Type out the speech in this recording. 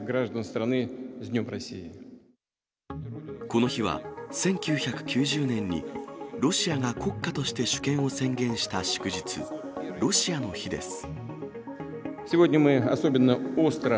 この日は、１９９０年にロシアが国家として主権を宣言した祝日、ロシアの日です。